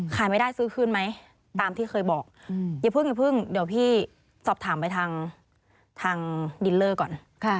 ขายไม่ได้ซื้อคืนไหมตามที่เคยบอกอย่าเพิ่งอย่าเพิ่งเดี๋ยวพี่สอบถามไปทางดินเลอร์ก่อน